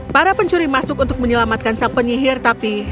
para pencuri masuk untuk menyelamatkan sang penyihir tapi